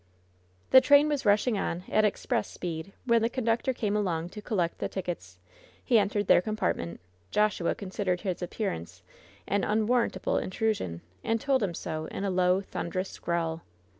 The train was rushing on at express speed, when the conductor came along to collect the tickets. He entered their compartment. Joshua considered his appearance an unwarrantable intrusion, and told him so in a low, thunderous growl.